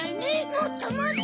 もっともっと。